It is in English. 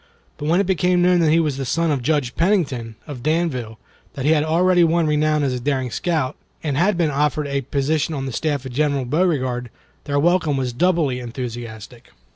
But when it became known that he was the son of Judge Pennington, of Danville, that he had already won renown as a daring scout, and had been offered a position on the staff of General Beauregard, their welcome was doubly enthusiastic.